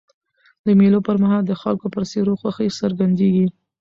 د مېلو پر مهال د خلکو پر څېرو خوښي څرګندېږي.